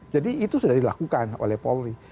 jadi itu sudah dilakukan oleh paul ri